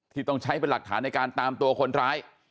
ต้องใช้เป็นหลักฐานในการตามตัวคนร้าย